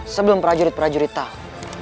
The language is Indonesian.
sebelum prajurit prajurit tahu